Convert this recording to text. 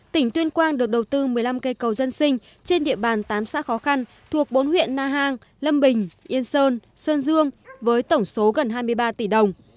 tỉnh tuyên quang được đầu tư một mươi năm cây cầu dân sinh trên địa bàn tám xã khó khăn thuộc bốn huyện na hàng lâm bình yên sơn sơn dương với tổng số gần hai mươi ba tỷ đồng